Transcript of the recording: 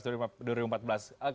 kang unggul melihat sama tidak